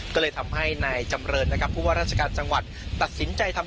ก็เลยทำให้นายจำเรินนะครับผู้ว่าราชการจังหวัดตัดสินใจทำ